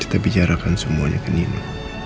kita bicarakan semuanya ke nino